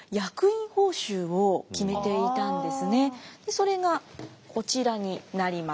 それがこちらになります。